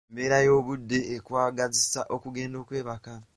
Embeera y'obudde ekwagazisa okugenda okwebaka.